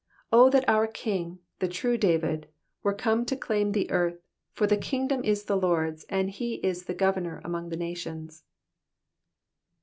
O that our King, the true David, were come to claim the earth, for the kingdom is the Lord^s, and he is the governor among the nations.